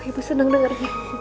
ibu seneng denger